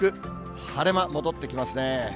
晴れ間、戻ってきますね。